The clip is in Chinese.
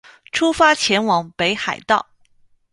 出发前往北海道